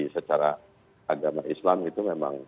secara agama islam itu